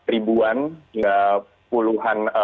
ribuan hingga puluhan